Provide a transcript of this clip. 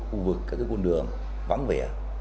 các khu vực các khuôn đường vắng vẻ